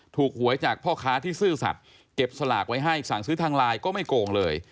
หวยจากพ่อค้าที่ซื่อสัตว์เก็บสลากไว้ให้สั่งซื้อทางไลน์ก็ไม่โกงเลย